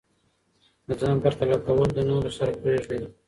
د ځان پرتله کول له نورو سره پریږدئ.